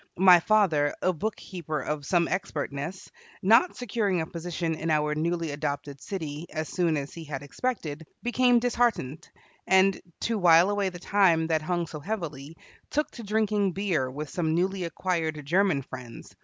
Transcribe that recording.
My father, a bookkeeper of some expertness, not securing a position in our newly adopted city as soon as he had expected, became disheartened, and, to while away the time that hung so heavily, took to drinking beer with some newly acquired German friends.